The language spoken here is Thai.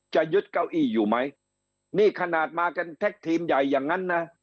จะยึดเก้าอี้อยู่ไหมนี่ขนาดมากันแท็กทีมใหญ่อย่างนั้นนะ